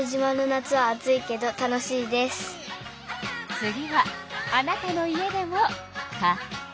次はあなたの家でも「カテイカ」。